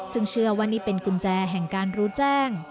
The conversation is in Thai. ซึ่งเชื่อว่านี่เป็นกุญแจแห่งการรู้แจ้ง